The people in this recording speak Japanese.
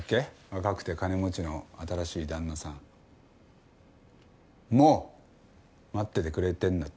若くて金持ちの新しい旦那さん。も待っててくれてるんだって。